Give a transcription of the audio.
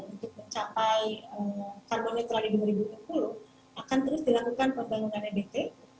untuk mencapai karbon netral di dua ribu dua puluh akan terus dilakukan pembangunan ebt